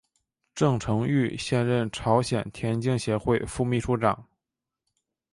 郑成玉现任朝鲜田径协会副秘书长。